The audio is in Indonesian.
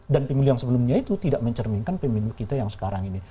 dan pemilu yang sebelumnya itu tidak mencerminkan pemilu kita yang sekarang ini